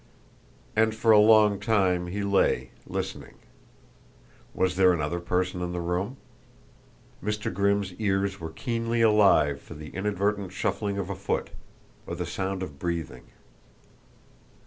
And so for a long time he lay, listening. Was there another person in the room? Mr. Grimm's ears were keenly alive for the inadvertent shuffling of a foot; or the sound of breathing.